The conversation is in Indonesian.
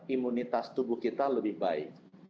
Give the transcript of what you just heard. imunitas tubuh kita lebih baik